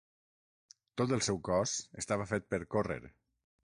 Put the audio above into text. Tot el seu cos estava fet per córrer.